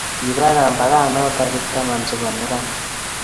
kiba kambakanoto kiptaman chebo neranik